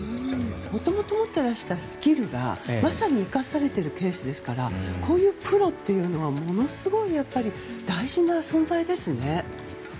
もともと持っていらしたスキルがまさに生かされているケースですからこういうプロというのはものすごく大事な存在ですね。